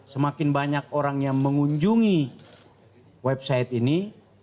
semakin banyak orang yang mengunjungi website ini